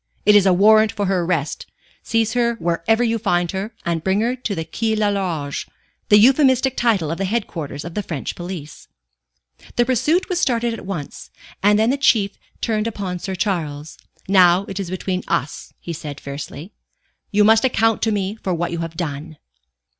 "It is a warrant for her arrest. Seize her wherever you find her, and bring her to the Quai l'Horloge," the euphemistic title of the headquarters of the French police. The pursuit was started at once, and then the Chief turned upon Sir Charles. "Now it is between us," he said, fiercely. "You must account to me for what you have done."